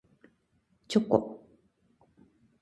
チョコ